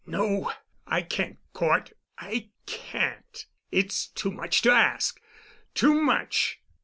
"No, I can't, Cort. I can't. It's too much to ask—too much."